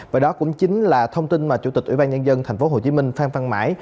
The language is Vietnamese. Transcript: và đó cũng chính là thông tin mà chủ tịch ủy ban nhân dân tp hcm phan văn mãi